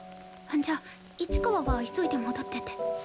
じゃあ市川は急いで戻ってて。